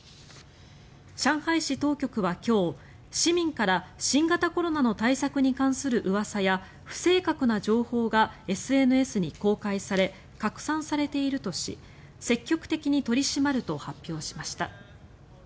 上海市当局は今日市民から新型コロナの対策に関するうわさや不正確な情報がＳＮＳに公開され拡散されているとし積極的に取り締まると発表しました。